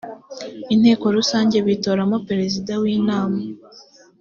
inteko rusange bitoramo perezida w inama